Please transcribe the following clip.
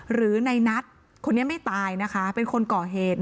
หรือในนัทคนนี้ไม่ตายนะคะเป็นคนก่อเหตุ